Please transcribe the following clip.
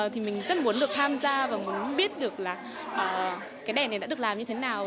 thì mình rất muốn được tham gia và muốn biết được là cái đèn này đã được làm như thế nào